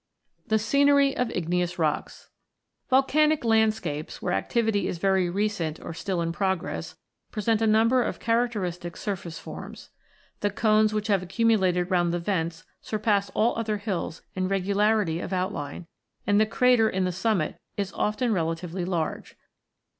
THE SCENERY OF IGNEOUS ROCKS Volcanic landscapes, where activity is very recent or still in progress, present a number of characteristic surface forms. The cones that have accumulated round the vents surpass all other hills in regularity of outline, and the crater in the summit is often relatively large.